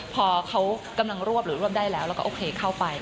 พอเขากำลังรวบหรือรวบได้แล้วแล้วก็โอเคเข้าไป